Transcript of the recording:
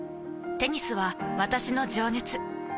テニスは私の情熱。